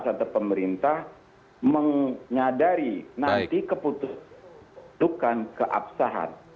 satu pemerintah mengadari nanti keputukan keabsahan